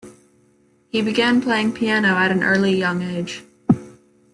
He began playing piano at an early young age.